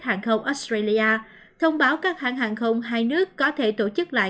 hàng không australia thông báo các hãng hàng không hai nước có thể tổ chức lại